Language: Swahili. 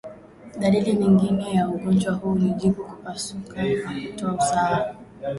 Dalili nyingine ya ugonjwa huu ni jipu kupasuka na kutoa usaha